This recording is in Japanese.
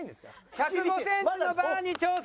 １０５センチのバーに挑戦。